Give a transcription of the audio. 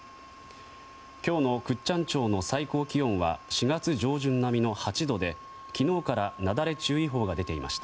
今日の倶知安町の最高気温は４月上旬並みの８度で昨日からなだれ注意報が出ていました。